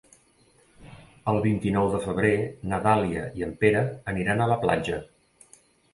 El vint-i-nou de febrer na Dàlia i en Pere aniran a la platja.